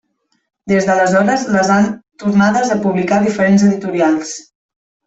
Des d'aleshores les han tornades a publicar diferents editorials.